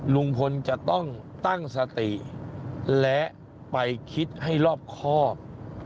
ลุงพลจะต้องตั้งสติและไปคิดให้รอบครอบ